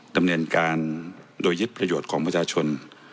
ดำเนินการโดยยึดประโยชน์ของประชาชน